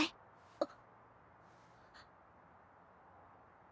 あっ。